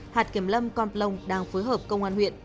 hạt kiểm lâm con plong đang phối hợp công an huyện